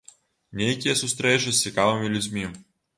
Нейкія сустрэчы з цікавымі людзьмі.